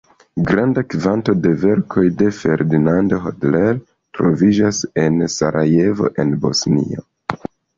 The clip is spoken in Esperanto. Granda kvanto de verkoj de Ferdinand Hodler troviĝas en Sarajevo, en Bosnio.